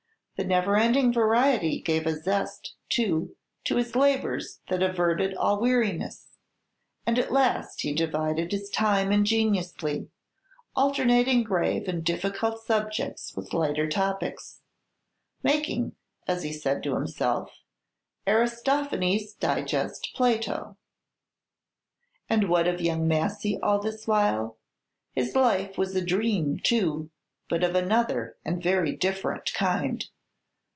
The never ending variety gave a zest, too, to his labors that averted all weariness; and at last he divided his time ingeniously, alternating grave and difficult subjects with lighter topics, making, as he said himself, "Aristophanes digest Plato." And what of young Massy all this while? His life was a dream, too, but of another and very different kind.